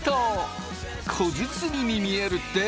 小包に見えるって？